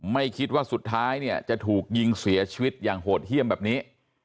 ไม่คิดว่าสุดท้ายเนี่ยจะถูกยิงเสียชีวิตอย่างโหดเยี่ยมแบบนี้